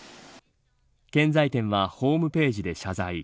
建材店はホームページで謝罪。